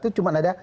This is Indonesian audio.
itu cuma ada